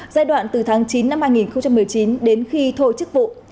giai đoạn từ tháng chín năm hai nghìn một mươi chín đến khi thôi chức vụ